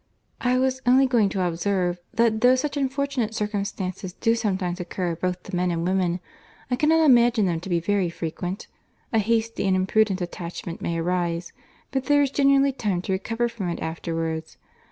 "I was only going to observe, that though such unfortunate circumstances do sometimes occur both to men and women, I cannot imagine them to be very frequent. A hasty and imprudent attachment may arise—but there is generally time to recover from it afterwards.